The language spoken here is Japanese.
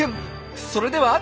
それでは。